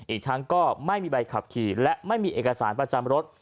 อีกทั้งก็ไม่มีใบขับขี่และไม่มีเอกสารประจำรถ